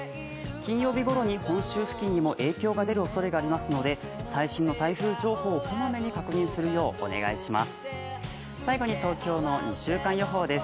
金曜日ごろに本州付近にも影響が出るおそれがありますので最新の台風情報を小まめに確認するようお願いします。